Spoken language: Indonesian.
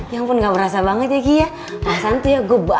ya ampun gak perasa banget ya gia ah santuyah gua bakal berubah